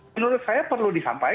menurut saya perlu disampaikan